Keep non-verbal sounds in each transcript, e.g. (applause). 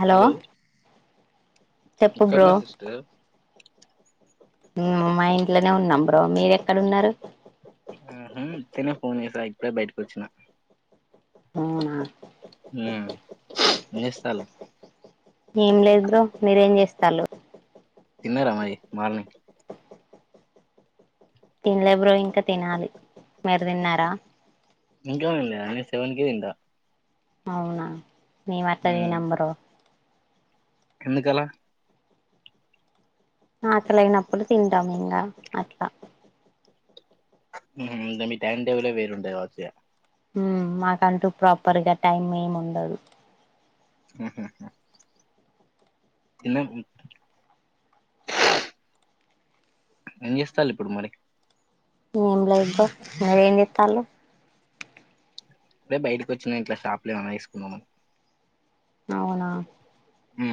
Hello చెప్పు bro ఇక్కన్వర్సస్ే మా ఇంట్లోనే ఉన్నాం బ్రో మీరు ఎక్కడ ఉన్నారు ఆ హుం ఉత్తినే ఫోన్ చేసా ఇప్పుడే బయటకు వచ్చిన అవునా ఉమ్ ఏం చేస్తాలు ఏం లేదు బ్రో మీరేం చేస్త చాల తిన్నారమరి మార్నింగ్ తినలే బ్రో ఇంకా తినాలి మీరు తిన్నారా ఇంకా తిన్లేదా నేను సెవెన్ కె తింట అవునా మీ మట్ల ఉమ్ తినం బ్రో ఎందుకలా ఆకలై నప్పుడు తింటాం ఇంగ అట్ల ట ఉహు ఇంగ మీ టైం టేబులే వేరుంటది కావచ్చు ఇగ ఉం మాకంటూ ప్రాపర్ గా టైమ్ ఏం ఉండదు ఉహు హు తిన్నం ఉ ఉ ఏం చేస్తాల్లు ఇప్పుడు మరి ఏం లేదు బ్రో మరేం చెత్తళ్ళు ఇపుడే బయటకి వచ్చిన ఇంట్లా షాప్ల ఏమన్నా తీసుకుందాం అని అవునా ఉం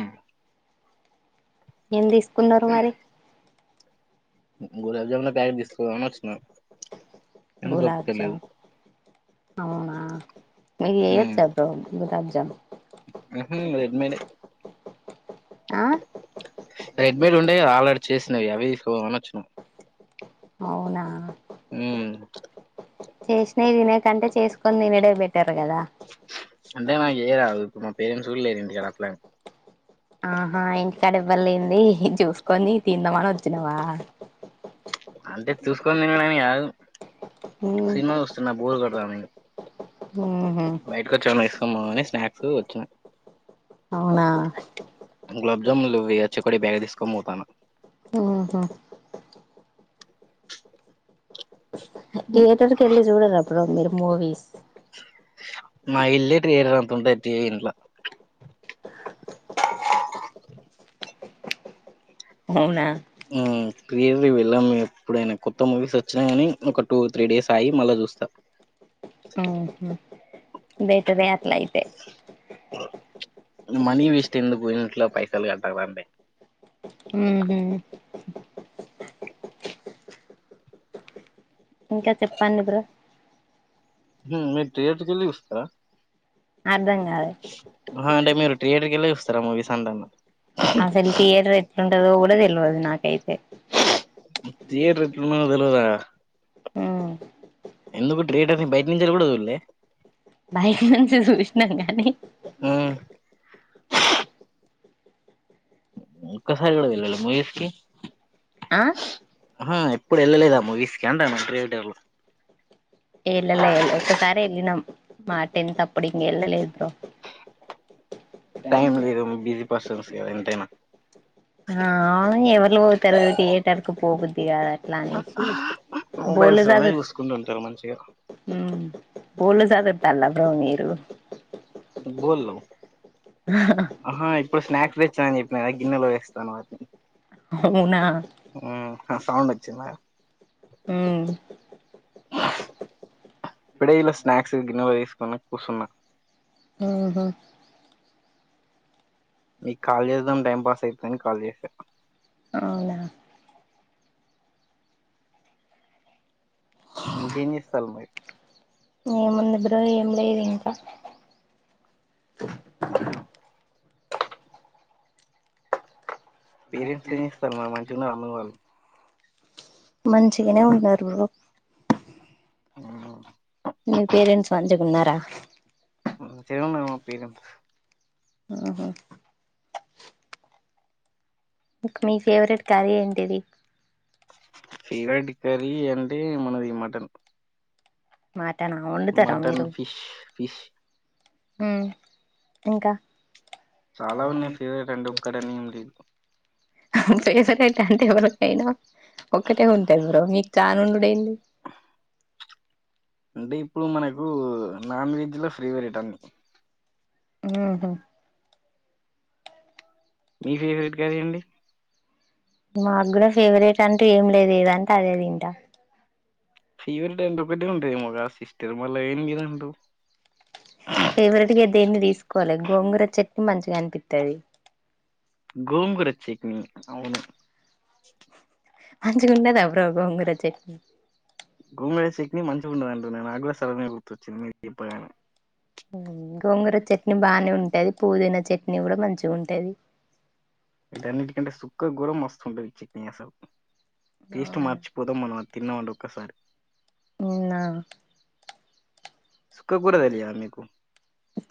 ఎందిస్ కున్నారు మరి గ గులాబ్ జమ్ల ప్యాకెట్ తీసుకాపోదామని వచ్చిన కానీ దొరుకుతలేవు గులాబ్జామ్ అవునా నీకు చెయ్యచ్చ బ్రో గులుగాం చాలు ఉహుం రెడ్మేడ్ ఎ ఆ రెడ్మేడ్ ఉంటై గా ఆల్రెడీ చేసినయి అవే తీసుకుపోదామని అచ్చినం అవునా చేష్ణయి తినా కంటే చేసుకుని తినుడే బె అంటే మకు చెయ్యరాదు ఇపుడు మాక్ పేరెంట్స్ కూడా లేరు ఇంటికాడ అట్లని చడవ్ ఎవ్వలేంది చూసుకొని తిందామని వచ్చినవా అంటే చూసుకొని తినడని కాదు ఉహు సినిమా చుస్తున్నా బోర్ కొ (unintelligible) బయటకు వచ్చా వేస్కో పొ అని స్నాక్స్ వచిన అవునా గులాబ్ జాములు వేయ డే బ్యాగ్ తీస్కొని పోతన్నా మ్ హు తియటర్ కేళి చూడరా (unintelligible) మూవిస్ మ ఇల్లే కేరంట తి ఇంట్లో అవునా మ్ (unintelligible) వెళ్ళాం ఎప్పుడైనా కొత్త మూవీస్ వచ్చినా గానీ, ఒక టూ త్రీ డేస్ ఆయి మళ్ళా చూస్తా మ్ హు బెటరె లాయితే మనీ వేస్ట్ ఎందుకు ఇంట్లో పైసలు కట్టరండి మ్ హు ఇంకా చెప్పండి బ్రో మీరు థియేటర్కి వెళ్ళి చూస్తారా అర్దం ఆ అంటే మీరు ట్రియేటర్కి వెళ్ళి దసరా మూవీస్ అంటన్నా ఆసలు థయేటర్ ఎట్లు ఉంటదో కూడా తెల్వదు నాకైతే తీయేటర్ ఎట్ల ఉన్నదో తెల్వదా ఉమ్ ఎందుకు ట్రీయటర్ని బయట నుంచ కూడా చుళ్లే బైక్ నుంచి చూసినాం కానీ ఒక్కసారి కూడా వెళ్ళలే మూవీస్ కి, ఆ హహ ఎప్పుడు వెళ్ళలేదా మూవీస్ కి అంటనా థియటర్లో ఏల్ల ఎల్ ఒక్కసారి వెళ్ళినం మా టెన్త్ అప్పుడు ఇంకా ఇళ్ళలేదు బ్రో టైమ్ లేద బిజీ ఓసి ఓసి ఇంతేనా ఆ అవును ఎవరుతరు తీయటర్కి పోబు ఇగా లానేసి బోల్ మొబైల్స్ లోనే చూసుకుంటుంటారు మంచిగా (unintelligible) (unintelligible) పల్ బ్రో మీరు బోల్ ఇప్పుడు స్నాక్స్ దెచ్చానని చెప్పినారా గిన్నెలో వేస్తాను వాటిని అవునా సౌండ్ వచ్చుంద ఉమ్ పిడైలో స్నాక్స్ గిన్నెవ తీసుకొని కూర్చున్నా ఊహు మీ కాల్ జేద్దాం టైం పాస్ అయితాని కాల్ జేసాను అవునా ఇంకేం జేస్తాళ్ళు మీరు ముందు బ్ర ఏం లేదు ఇంకా అఓకా పేరెంట్స్ ఇస్తా మా మంచించి అమ్ వాళ్ళ మంచిగానే ఉన్నారు అవు మీ పేరెంట్స్ మంచిగున్నారా తెరవున్నా పోయరు ఆహా ఇకు మీ ఫేవరెట్ క్యారిీ ఏంటిది ఫేవరెట్ కర్రీ అంటే మనది మటన్ మా మటన్ ఫిష్ ఫిష్ ఉ ఇంకా చాలా ఉన్నాయి ఫేవరెట్ అంటే ఒక్కటని ఏం లేదు ఫేవరట్ అంటే ఎవరికైనా ఒక్కటే ఉంటేంది బ్రో మీకు చాను ఉండూడేంది అంటే ఇప్పుడు మనకు నాన్ వెజ్ లో పేవరెట్ అన్ని ఊహు మీ ఫేవరెట్ కర్రీ అండి మా గూడా ఫేవరెట్ అంటూ ఏం లేదు ఏదంటే అదేది ఇంట ఫీవర్ ఎంటొ ఒకటి ఉంట మ ఆ సిస్టర్ మల ఏండ ఫేవరెట్ గా దేన్ని దీసుకోవాలి గోంగుర చట్నీ మంచిగా అనిపిస్తుది గోంగూరచట్నీ అవును మంచిగా ఉండదా బ్రో గోంగూర చట్నీ గోంగూర చట్నీ మంచిగా ఉంటండదంటారు నాగ్గుడా సగమే గుర్తొచ్చింది మీ చెప్పగానే గోంగుర చట్నీ బానే ఉంటాది పుదీనా చట్నీ నీ గూడా మంచిగా ఉంటేది ఇదన్నిటికంటే సుక్క గురం మస్తుండదిచ్చి పసలు ఫస్ట్ అవునా మార్చిపోదాం మనం తిన్నామండి ఒక్కసారి ఉ సుక్కకూర తెలియ మీకు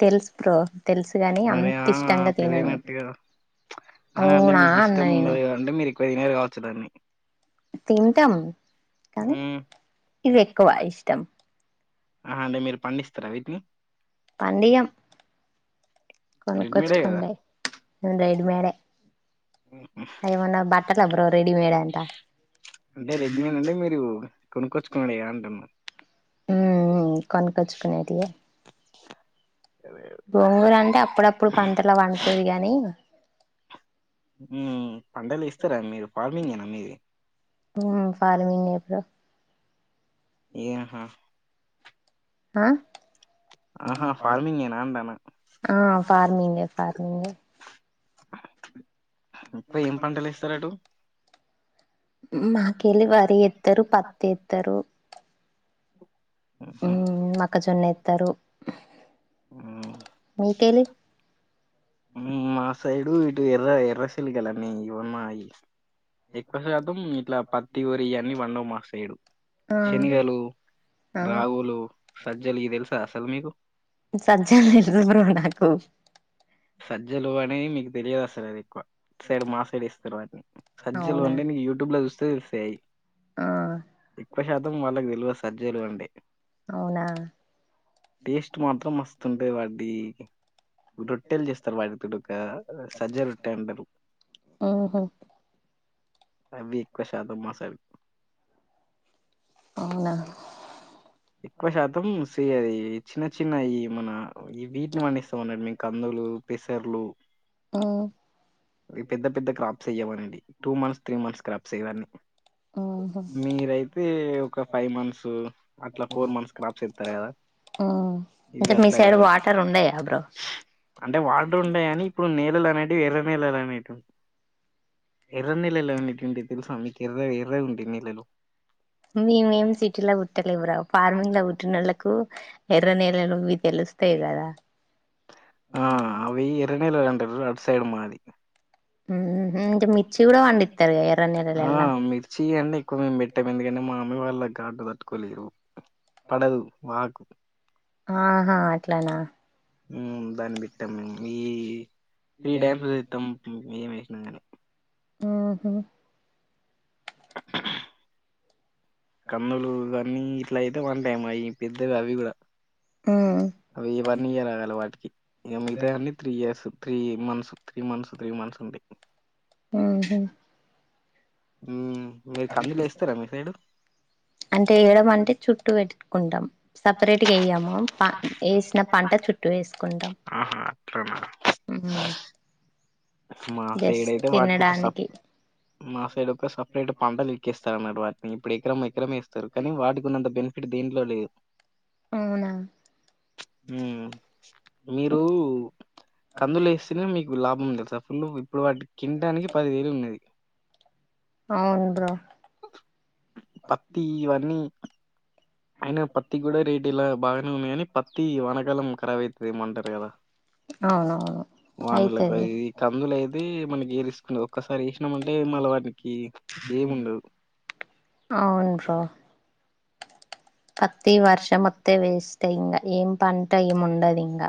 తెలుసు బ్రో తెలుసు గాని మరి అంత ఆ ఇష్టంగా తినను తెలియనట్టుగా అంటే అవునా మీకు అన్న ఇష్టం నేను ఉండదు అంటే మీరు ఎక్వదిినరు కావచ్చు దాన్ని తింటాం కానీ ఉమ్ ఇది ఎక్కువ ఇష్టం ఆ అంటే మీరు పండిస్తారా వీటి పండ్యం రెడీమేడే కదా కొనుకొచ్చకండైడ్ మేడ రెడీమేడ్ అంట అంటే రెడ్ మీన్ అంటే మీరు కొనుక్కొచ్చుకోండి అంటున్నా గోంగూలు అంటే అప్పుడప్పుడు పంటలా వడుతుది గాని పండలు ఇస్తారా మీరు ఫార్మింగ్ ఏ అది ఫార్మింగ్ ఎప్పుడు ఏయాహా ఆ ఆహా ఫార్మింగ్ ఏనా అంటానా ఫార్మింగ్ే ఫార్మింగ్ ఇంకు ఏం పంటలు ఇస్తారు అటు మాకెళ్ళి వరి ఎత్తారు పత్ ఎత్తారు మ్హూ. మక్కజొన్న ఎస్తారు మ్మ్. మీకేలి మా సైడు ఇటు ఎర్ర ఎర్రసల్ కలన్నీ ఇవన్నాయి ఎవస అదుం ఇట్లా పత్తిగరి అన్ని వండ మాసాడు ఆ శనిగలు ఆ రాహులు సజ్జలకి తెలిసిస్త సల్మీకు సజ్జలు తెలుసు బ్రో నాకు సజ్జలు అనే మీకు తెలియదు సరే ఎక్కువ సైడ్ మా సైడ్ ఇస్తారు వాటిని సజ్లు అవునా అంటే నీ యూట్యూబ్ లో చూస్త సర్ఫే ఆ ఇ పష అత మళ్ాలకు దలు వస్త సజ్జలు అండి అవునా టేస్ట్ మాత్రం మస్తుంటేది వాడీ రొట్టెలు చేస్తారు వాటి ఆహా అవి కశాదమ్ మాస అవునా ఎక్కువ శాతం సరి చిన్న చిన్న ఈ మన ఈ వీటిని వండిస్తామన్నారు మీకు కందులు పెసర్లు ఉ పెద్ద పెద్ద క్రాప్స్ అయ్యమనండి two months three months crop ఇవన్నీ ఉహు మీరైతే ఒక ఫైవ్ మంత్స్ అట్లా ఫోర్ మంత్స్ క్రాప్స్ ఇస్తారు కదా ఉమ్ ఇవి అంటే మీ అట్లా సైడ్ కాదు వాటర్ ఉండయా బ్రో అంటే వాటర్ ఉంటాయి కానీ ఇప్పుడు నేలలు అనే వర్ర నెలలా అనేటు ఎర్ర నెలలా అనేటింటే తెలుసా మీకుర్ర వేరే ఉంటే నెలలో మీ మేమ్ సిటీలా ఉట్ట ఎవ ఫార్మింగ్ లో పుట్టినళ్లకు ఎర్ర నెలలు ఇవి తెలుస్తాయి కదా అట్ సైడ్ మాది ఆ ంట మిర్చి కూడా వండితారు ఎర్రనిరల ఎలా తకు మేము పెట్టం ఎందుకనే మా అమ్మీ వాళ్ళ ఘాటు తట్టుకోలేరు పడదు వాకు ఆహా అట్లానా ఉ బానిబట్టం ఈ త్రీ టైమ్స్ మీ మేషణను ఆహ కన్నులు ఇవన్నీ ఇట్లా అయితే వన్ టైమ్ అవి పెద్దవి అవి కూడా ఉమ్ అవి వన్ ఇయర్ రాగాలి వాటికి ఇక మిగతా అన్నీ three years three months three months three months ఉంది ఆ ఉమ్, మీరు కందులు వేస్తారా మీ సైడు అంటే వేయడం అంటే చుట్టట్ూ పెట్టుకుంటాం సపరేట్గా వే్యము వేసిన పంట చుట్టూ వేసుకుంటాం ఆహా అట్లనా మాసేడు జస్ట్ అయితే వాటికి ఒక తినడానికి సప్పు మాసేడు ఒక సప్పు ఇప్పు పంటలు ఎక్కేస్తారు అ వాటినిప్పుడు ఎకరం ఎకరమేస్త సారు కానీ వాటికున్నంత బను ఇప్పుడు దీంట్లో లేదు అవునా మీరు కందులు వేస్తేనే మీకు లాభం లే ాుల్ ఇప్పుడు వాటి కిినడానికి పది వేలు ఉన్నది అవును బ్రో పత్తివన్నీ అయిన పత్తికి కూడా రేట్ ఇలా బాగా నే పత్తి వనకాలం కరవై వెయ్యమంటార్గదా అవునవును అయితది ఇది కందులు అది అయితే మనకి రిస్క్లు ఒక్కసారి వేసినామంటే మళ్ళ వాటికి ఏమి ఉండదు అవును బ్రో పత్తి వర్షం వత్తె వేస్ట్ ఇంగా ఏం పంట ఏము ఉండదు ఇంగా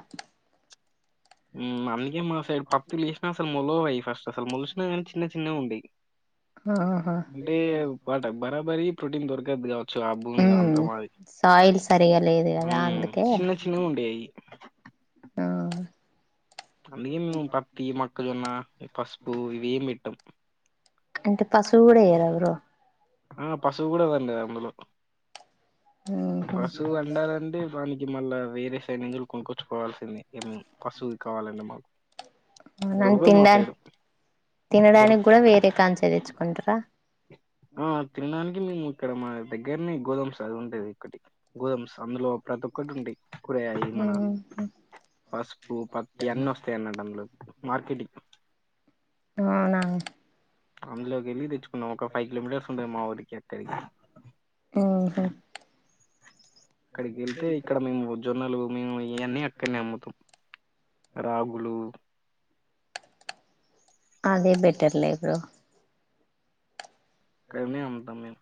ఉమ్ అందుకే మా సైడ్ పత్ లేసినా అసలు మొలవు అయి ఫస్ట్ అసలు మొలిసినా కానీ చిన్న చిన్నగా ఉండేవి ఆహా అంటే పాట బరాబరి ఈ ప్రోటీన్ ద్వక గబ్బిదవత్ చ ఆ భూమిద ఉమ్ అంత మాది సాయిల్ సరిగా లేదు కదా అందుకే చిన్న చిన్నవి ఉండాయ్ అవి ఆ అందుకే మేము పత్తి మొక్కజొన్న పసుపు ఇవేం పెట్టం అంటే పశువు కూడా ఏయర ఎవరు ఆ పశువు కూడాదండి అందులో ఉహు పశు వండాలండి బన్ మళ్ళ వేరే సైడ్ ఇందులు కొనుక్కొర్చుకోవాల్సిందే ఏ పశువు కావాలండి మాకు న దొరకదు మా తినడానికి సైడ్ తినడానికి దొరక కూడా వేరే కాచ్ తేచ్చుకుంటారా ఆ, తినడానికి మేము ఇక్కడ మా దగ్గరనే గోధమ్స్ అది ఉంటది ఇక్కటి గోధమ్స్ అందులో ప్రతి ఒక్కటి ఉంటాయ్ కూరగాయి మన ఉహు పసుపు పత్తి అన్ని వస్తాయి అన్నమాట అదులో మార్కెట్కి అవునా అందులోకి వెళ్ళలి తెచ్చుకున్నాం ఒక ఫైవ్ కిలోమీటర్స్ మాఊరికి అక్కడికి ఆహా అక్కడికి వెళ్తే ఇక్కడ మేము జొన్నలు మేము ఇయన్నీ అక్కడ్నే అమ్ముతాం రాగులు అదే బెటర్లే బ్రో క్కడ్నే అమ్ముతాం మేం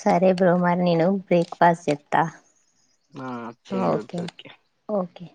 సరే బ్రో మరి నేను బ్రేక్ఫాస్ట్ జేత్త ఓకే ఓకే.